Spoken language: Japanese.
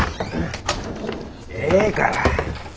ええから。